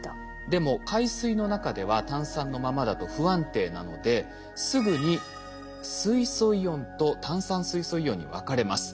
でも海水の中では炭酸のままだと不安定なのですぐに水素イオンと炭酸水素イオンに分かれます。